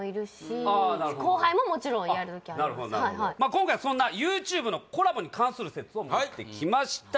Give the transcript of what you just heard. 今回はそんなＹｏｕＴｕｂｅのコラボに関する説を持ってきました